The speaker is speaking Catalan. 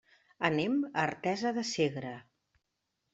Anem a Artesa de Segre.